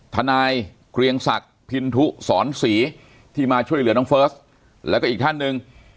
ทนายเกรียงศักดิ์พินทุสอนศรีที่มาช่วยเหลือน้องเฟิร์สแล้วก็อีกท่านหนึ่ง